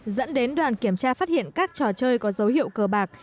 dẫn đến đoàn kiểm tra phát hiện các trò chơi có dấu hiệu cờ bạc